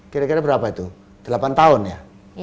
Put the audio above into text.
kira kira berapa itu delapan tahun ya